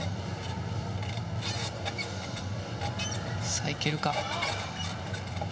さあ、行けるか。